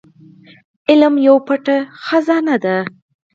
علم يوه پټه خزانه ده.